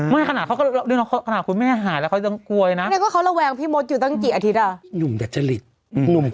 ไม่ขณะเขาก็เรื่องเขาขณะคุณแม่ห่ายแล้วเขายังกลวยนะ